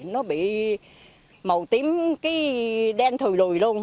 nó bị màu tím cái đen thùi lùi luôn